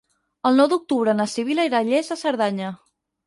El nou d'octubre na Sibil·la irà a Lles de Cerdanya.